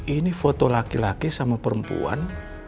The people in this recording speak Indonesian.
ini foto laki laki sama perempuan